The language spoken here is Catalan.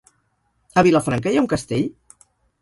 A Vilafranca hi ha un castell?